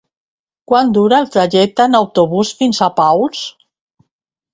Quant dura el trajecte en autobús fins a Paüls?